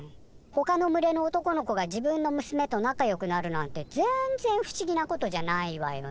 ほかの群れの男の子が自分の娘と仲よくなるなんてぜんぜん不思議なことじゃないわよ。